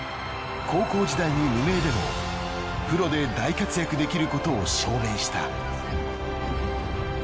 高校時代に無名でもプロで大活躍できることを証明した。